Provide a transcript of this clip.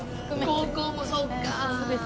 高校もそうか。